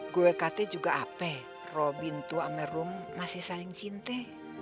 gue kata juga apa robin tuh sama ruh masih saling cinta